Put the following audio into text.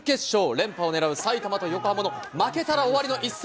連覇を狙う埼玉と横浜の負けたら終わりの一戦。